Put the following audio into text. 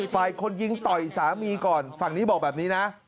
ฝ่ายคนยิงต่อยสามีก่อนฝั่งนี้บอกแบบนี้นะ